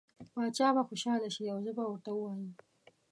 باچا به خوشحاله شي او زه به ورته ووایم.